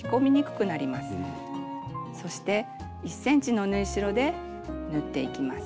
そして１ｃｍの縫い代で縫っていきます。